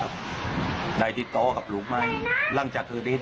ที่ร้านจิตต่อกับลูกไหมหลังจากเคยเจอนี้